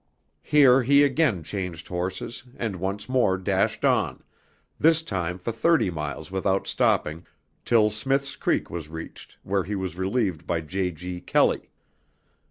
Here he again changed horses and once more dashed on, this time for thirty miles without stopping, till Smith's Creek was reached where he was relieved by J. G. Kelley.